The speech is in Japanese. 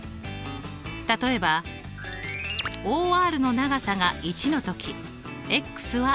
例えばＯＲの長さが１のときは１。